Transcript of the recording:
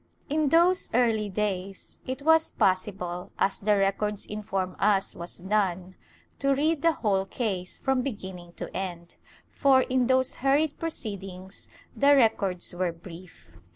^ In those early days it was possible, as the records inform us was done, to read the whole case from beginning to end, for, in those hurried proceedings, the records were brief.